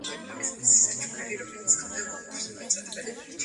განედურ ნაწილში ტბა იყინება ნოემბერში, ხოლო მერიდიანულ ნაწილში იანვარში.